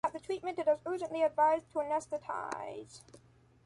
At the treatment it is urgently advised to anesthetize.